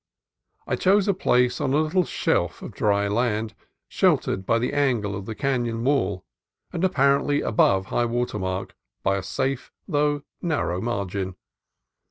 I chose a place on a little shelf of dry sand, sheltered by the angle of the canon wall, and apparently above high water mark by a safe though narrow margin.